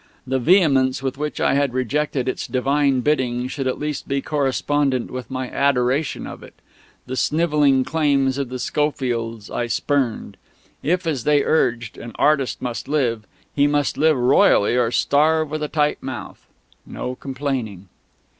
The vehemence with which I had rejected its divine bidding should at least be correspondent with my adoration of it. The snivelling claims of the Schofields I spurned. If, as they urged, "an artist must live," he must live royally or starve with a tight mouth. No complaining....